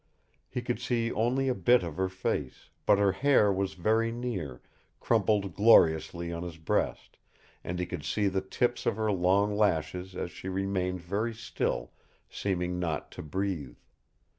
He could see only a bit of her face, but her hair was very near, crumpled gloriously on his breast, and he could see the tips of her long lashes as she remained very still, seeming not to breathe.